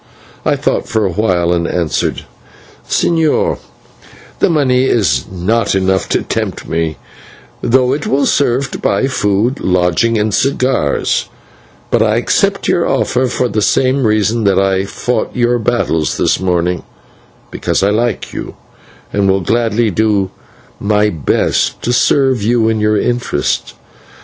I thought for a while and answered: "Señor, the money is not enough to tempt me, though it will serve to buy food, lodging, and cigars, but I accept your offer for the same reason that I fought your battles this morning, because I like you, and will gladly do my best to serve you and your interests.